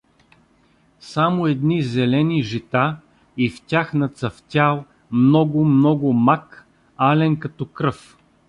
Само едни зелени жита и в тях нацъфтял много, много мак, ален като кръв.